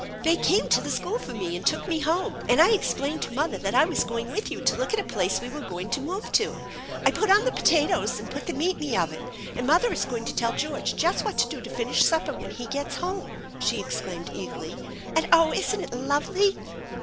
" They came to the school for me, and took me home ; and I explained to mother that I was going with you to look at a place we were going to move to. I put on the potatoes, and put the meat in the oven, and mother is going to tell George just what to do to finish supper when he gets home," she exclaimed eagerly. "And, oh, isn't it lovely